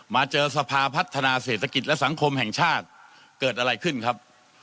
มาเจอสภาพัฒนาเศรษฐกิจและสังคมแห่งชาติเกิดอะไรขึ้นครับ